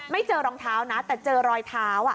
เจอรองเท้านะแต่เจอรอยเท้า